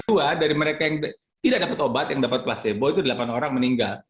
dua dari mereka yang tidak dapat obat yang dapat placebo itu delapan orang meninggal